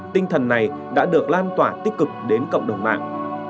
tinh thần này đã được lan tỏa tích cực đến cộng đồng mạng